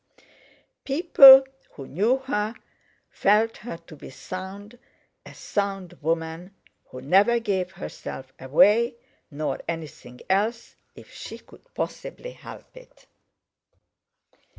People who knew her felt her to be sound—a sound woman, who never gave herself away, nor anything else, if she could possibly help it.